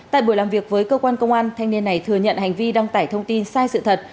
tại buổi làm việc với cơ quan công an thanh niên này thừa nhận hành vi đăng tải thông tin sai sự thật